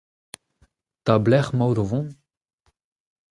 Da belec'h emaout o vont ?